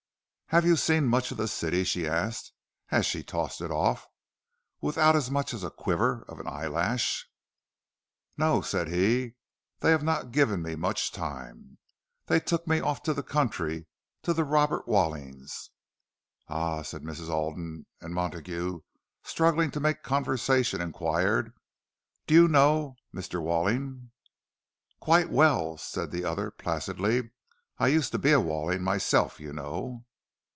"Have you seen much of the city?" she asked, as she tossed it off—without as much as a quiver of an eyelash. "No," said he. "They have not given me much time. They took me off to the country—to the Robert Wallings'." "Ah," said Mrs. Alden; and Montague, struggling to make conversation, inquired, "Do you know Mr. Walling?" "Quite well," said the other, placidly. "I used to be a Walling myself, you know."